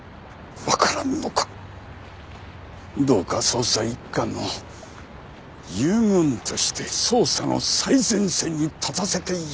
どうか捜査一課の遊軍として捜査の最前線に立たせてやりたい。